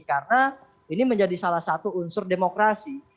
karena ini menjadi salah satu unsur demokrasi